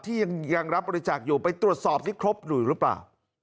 ยังรับบริจาคอยู่ไปตรวจสอบที่ครบหนุ่ยหรือเปล่า